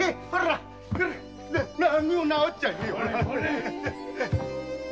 まだ治っちゃいねえさ！